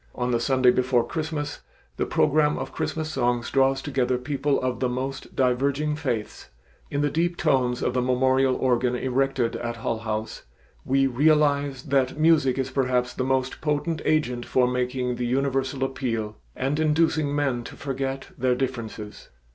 On the Sunday before Christmas the program of Christmas songs draws together people of the most diverging faiths. In the deep tones of the memorial organ erected at Hull House, we realize that music is perhaps the most potent agent for making the universal appeal and inducing men to forget their differences.